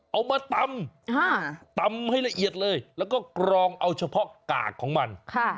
เอามาตำตำให้ละเอียดเลยแล้วก็กรองเอาเฉพาะกากของมัน